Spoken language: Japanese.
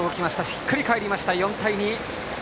ひっくり返りました４対２。